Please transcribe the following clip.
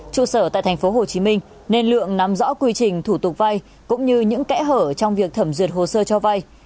trụ sở tại tp hcm nên lượng nắm rõ quy trình thủ tục vay cũng như những kẽ hở trong việc thẩm duyệt hồ sơ cho vay